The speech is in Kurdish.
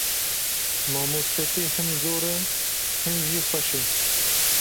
Mamostetî him zor e him jî xweş e.